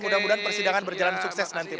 mudah mudahan persidangan berjalan sukses nanti pak